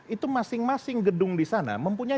itu masing masing gedung di sana mempunyai